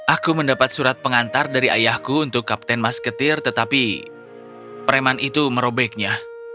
aku mendapat surat pengantar dari ayahku untuk kapten mas ketir tetapi preman itu merobeknya